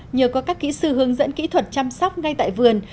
nhờ có các kỹ sư hướng dẫn kỹ thuật chăm sóc ngay tại vườn